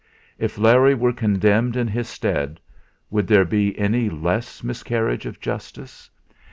If Larry were condemned in his stead, would there be any less miscarriage of justice?